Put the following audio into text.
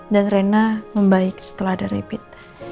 dan rena membaik setelah ada rebit